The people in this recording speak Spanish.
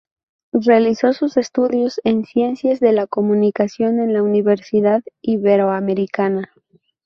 Realizó sus estudios en Ciencias de la Comunicación en la Universidad Iberoamericana.